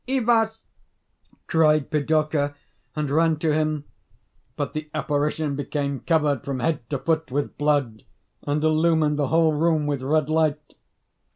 "Ivas!" cried Pidorka, and ran to him; but the apparition became covered from head to foot with blood, and illumined the whole room with red light....